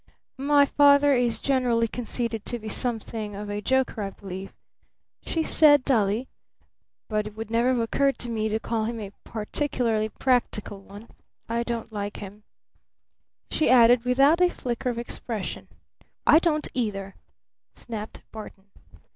"My father is generally conceded to be something of a joker, I believe," she said dully. "But it would never have occurred to me to call him a particularly practical one. I don't like him," she added without a flicker of expression. "I don't either!" snapped Barton.